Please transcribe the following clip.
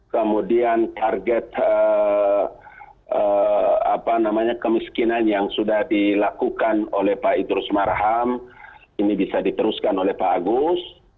kemudian target kemiskinan yang sudah dilakukan oleh pak idrus marham ini bisa diteruskan oleh pak agus